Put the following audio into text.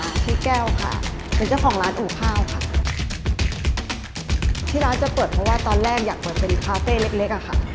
พี่แก้วค่ะเป็นเจ้าของร้านอู่ข้าวค่ะที่ร้านจะเปิดเพราะว่าตอนแรกอยากเปิดเป็นคาเฟ่เล็กเล็กอ่ะค่ะ